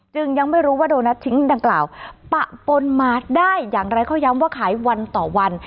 ยังไม่รู้ว่าโดนัททิ้งดังกล่าวปะปนมาได้อย่างไรเขาย้ำว่าขายวันต่อวัน